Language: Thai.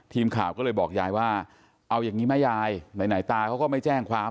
ทีมข่าวก็เลยบอกยายว่าเอาอย่างนี้ไหมยายไหนตาเขาก็ไม่แจ้งความ